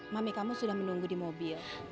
mami kamu sudah menunggu di mobil